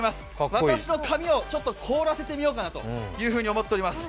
私の髪を凍らせてみようかと思っております。